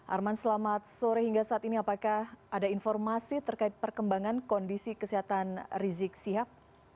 arman selamat sore hingga saat ini apakah ada informasi terkait perkembangan kondisi kesehatan rizik sihab